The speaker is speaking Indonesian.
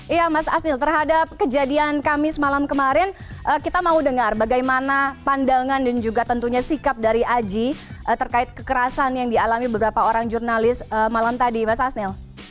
iya mas asnil terhadap kejadian kamis malam kemarin kita mau dengar bagaimana pandangan dan juga tentunya sikap dari aji terkait kekerasan yang dialami beberapa orang jurnalis malam tadi mas asnil